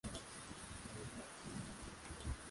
Ana macho mazuri sana.